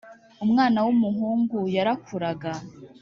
Umwana wu muhungu yarakuraga